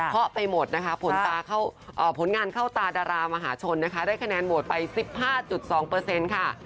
เพราะไปหมดนะคะผลงานเข้าตาดารามหาชนนะคะได้คะแนนโหวตไป๑๕๒ค่ะ